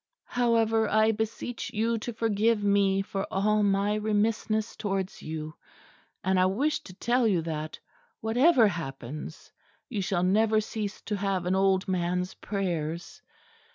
However, I beseech you to forgive me for all my remissness towards you, and I wish to tell you that, whatever happens, you shall never cease to have an old man's prayers.